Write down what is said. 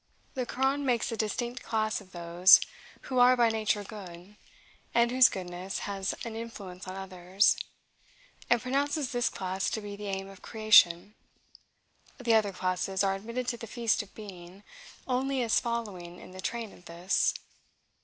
The Koran makes a distinct class of those who are by nature good, and whose goodness has an influence on others, and pronounces this class to be the aim of creation: the other classes are admitted to the feast of being, only as following in the train of this.